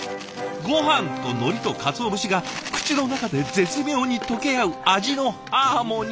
ごはんとのりとかつお節が口の中で絶妙に溶け合う味のハーモニー。